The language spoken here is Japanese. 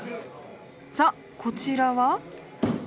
さっこちらは？